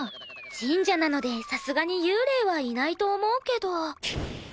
神社なのでさすがに幽霊はいないと思うけど。